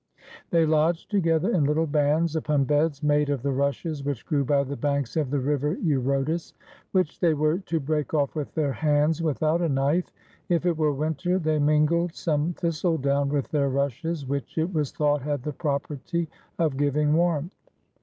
They lodged together in Httle bands upon beds made of the rushes which grew by the banks of the river Eurotas, which they were to break off with their hands without a knife; if it were winter, they mingled some thistledown with their rushes, which it was thought had the property of giving warmth.